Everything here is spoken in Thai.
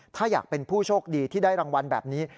ถ้าอยากเป็นผู้โชคดีที่ได้รางวัลแบบนี้